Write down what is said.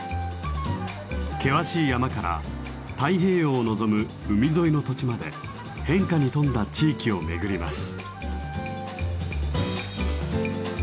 険しい山から太平洋を望む海沿いの土地まで変化に富んだ地域を巡ります。